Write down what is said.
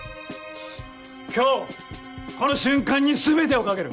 今日この瞬間に全てをかける。